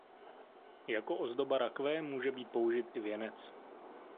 Jako ozdoba rakve může být použit i věnec.